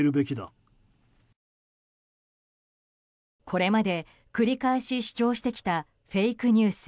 これまで繰り返し主張してきたフェイクニュース。